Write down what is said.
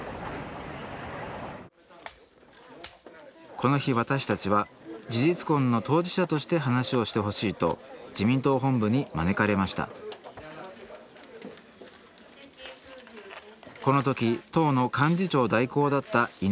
この日私たちは事実婚の当事者として話をしてほしいと自民党本部に招かれましたこの時党の幹事長代行だった稲田議員。